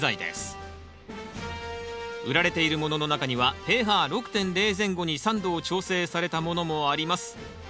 売られているものの中にはｐＨ６．０前後に酸度を調整されたものもあります。